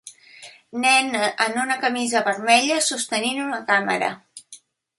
Nen en una camisa vermella sostenint una càmera.